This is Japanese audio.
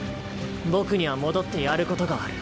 僕には戻ってやることがある。